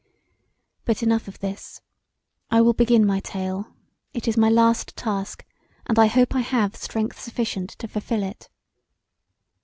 But enough of this. I will begin my tale: it is my last task, and I hope I have strength sufficient to fulfill it.